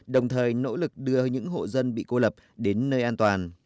đồng thời nỗ lực đưa những hộ dân bị cô lập đến nơi an toàn